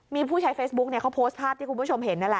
มีผู้ใช้เฟซบุ๊คเขาโพสต์ภาพที่คุณผู้ชมเห็นนั่นแหละ